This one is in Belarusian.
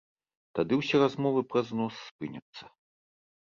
Тады усе размовы пра знос спыняцца.